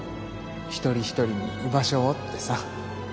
一人一人に居場所をってさ。